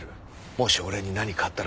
もし俺に何かあったら。